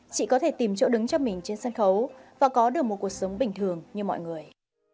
chị có thể tìm chỗ đứng cho mình trên sân khấu và có được một cuộc sống bình thường như mọi người